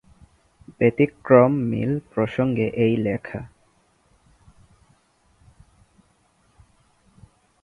ব্যতিক্রম মিল প্রসঙ্গে এই লেখা।